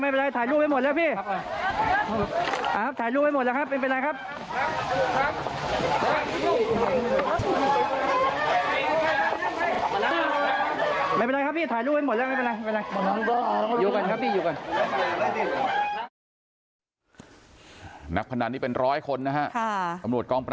อ่าถ่ายรูปไว้หมดแล้วครับไม่เป็นไรไม่เป็นไรถ่ายรูปไว้หมดแล้วพี่